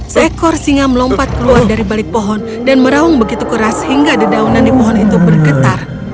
seekor singa melompat keluar dari balik pohon dan meraung begitu keras hingga dedaunan di pohon itu bergetar